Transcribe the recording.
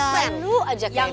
upsen lu aja kayak begini